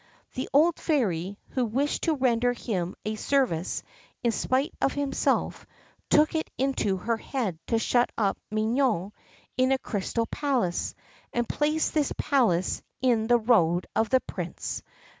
The old Fairy, who wished to render him a service in spite of himself, took it into her head to shut up Mignone in a crystal palace, and placed this palace in the road of the Prince.